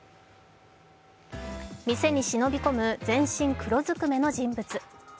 店に忍び込む、全身黒ずくめの人物